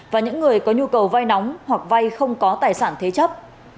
và những người có nhu cầu vai nóng hoặc vai không có tài sản thế chấp